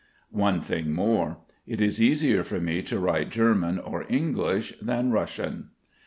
One thing more: it is easier for me to write German or English than Russian.